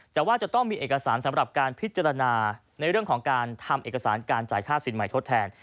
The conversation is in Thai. แต่ว่าจะต้องมีเอกสารสำหรับการพิจารณาในเรื่องของการทำเอกสารการจ่ายค่าสินใหม่ทดแทน